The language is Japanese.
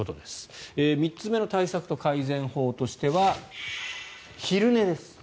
３つ目の対策と改善法としては昼寝です。